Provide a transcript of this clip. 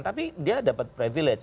tapi dia dapat privilege